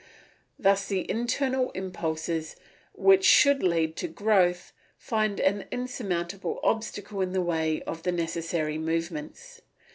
Thus the internal impulses which should lead to growth find an insurmountable obstacle in the way of the necessary movements.